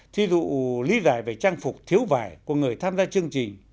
thí dụ lý giải về trang phục thiếu vải của người tham gia chương trình